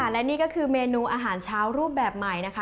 และนี่ก็คือเมนูอาหารเช้ารูปแบบใหม่นะคะ